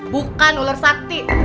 bukan ular sakti